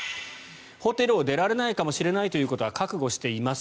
ホテルを出られないかもしれないということは覚悟しています